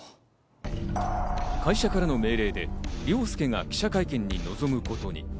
会社からの命令で凌介が記者会見に臨むことに。